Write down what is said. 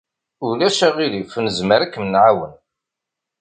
Ulac aɣilif, nezmer ad kem-nɛawen.